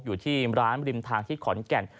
อยู่ที่ร้านริมทางที่ขอนแก่น